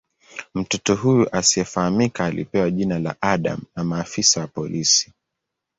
Mtoto huyu asiyefahamika alipewa jina la "Adam" na maafisa wa polisi.